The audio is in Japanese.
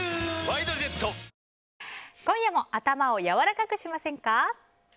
今夜も頭をやわらかくしませんか？